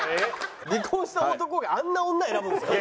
離婚した男があんな女選ぶんですか？